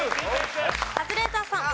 カズレーザーさん。